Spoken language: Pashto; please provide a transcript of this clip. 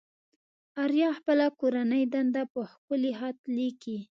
آريا خپله کورنۍ دنده په ښکلي خط ليكي.